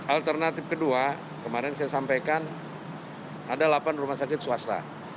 alternatif kedua kemarin saya sampaikan ada delapan rumah sakit swasta